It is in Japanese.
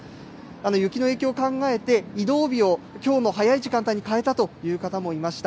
雪の影響を考えて、移動日をきょうの早い時間帯に変えたという方もいました。